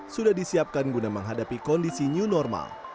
sudah disiapkan guna menghadapi kondisi new normal